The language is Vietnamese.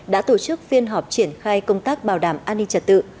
đã tổ chức phiên họp triển khai công tác bảo đảm an ninh trật tự